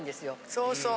そうそう。